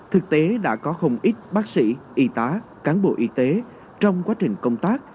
thực tế đã có không ít bác sĩ y tá cán bộ y tế trong quá trình công tác